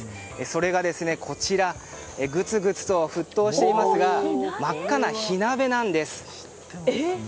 それが、こちらグツグツと沸騰していますが真っ赤な火鍋なんです。